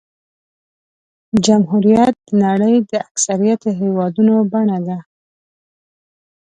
جمهوریت د نړۍ د اکثریت هېوادونو بڼه ده.